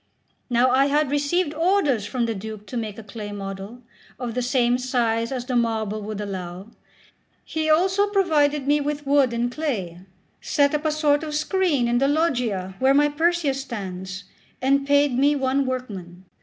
Now I had received orders from the Duke to make a clay model, of the same size as the marble would allow; he also provided me with wood and clay, set up a sort of screen in the Loggia where my Perseus stands, and paid me one workman.